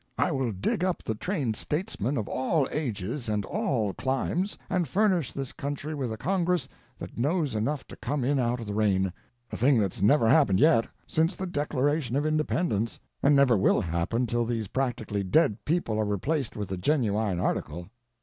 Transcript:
I will dig up the trained statesmen of all ages and all climes, and furnish this country with a Congress that knows enough to come in out of the rain—a thing that's never happened yet, since the Declaration of Independence, and never will happen till these practically dead people are replaced with the genuine article.